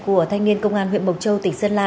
của thanh niên công an huyện mộc châu tỉnh sơn la